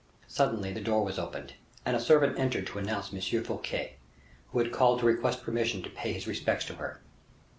Suddenly the door was opened, and a servant entered to announce M. Fouquet, who had called to request permission to pay his respects to her.